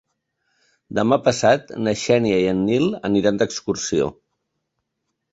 Demà passat na Xènia i en Nil aniran d'excursió.